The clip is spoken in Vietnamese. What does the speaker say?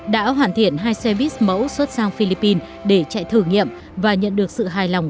đã hoàn thiện hai xe buýt mẫu xuất sang philippines để chạy thử nghiệm và nhận được sự hài lòng